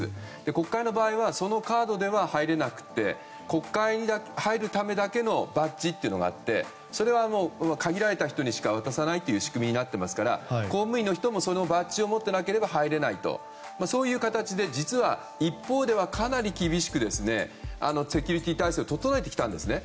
国会の場合はそのカードでは入れなくて国会に入るためだけのバッジというものがあってそれは、限られた人にしか渡さない仕組みになってますから公務員の人もそのバッジを持っていなければ入れないとそういう形で実は、一方ではかなり厳しくセキュリティー態勢を整えてきたんですね。